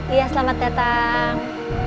iya selamat datang